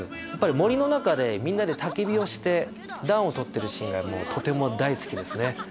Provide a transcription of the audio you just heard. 森の中でみんなでたき火をして暖を取ってるシーンがとても大好きですね。